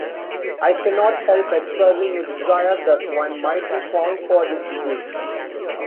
I cannot help expressing a desire that one might be found for this disease.